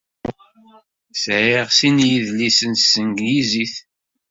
Sɛiɣ sin n yidlisen s tanglizit.